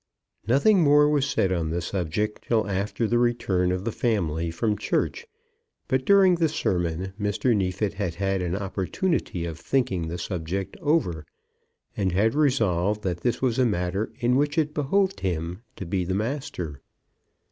Nothing more was said on the subject till after the return of the family from church; but, during the sermon Mr. Neefit had had an opportunity of thinking the subject over, and had resolved that this was a matter in which it behoved him to be master.